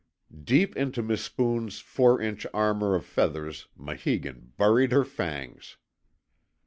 Deep into Mispoon's four inch armour of feathers Maheegun buried her fangs.